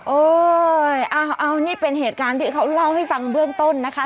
เอ้ยเอานี่เป็นเหตุการณ์ที่เขาเล่าให้ฟังเบื้องต้นนะคะ